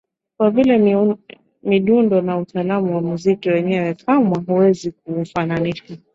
Kwa vile midundo na utaalamu wa muziki wenyewe kamwe huwezi kuufananisha